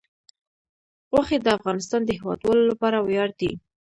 غوښې د افغانستان د هیوادوالو لپاره ویاړ دی.